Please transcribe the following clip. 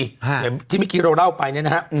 เห็นที่มิคิเราเล่าไปเนี่ยนะฮะ